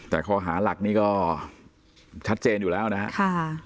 แต่ข้อหาหลักนี่ก็ชัดเจนอยู่แล้วนะครับ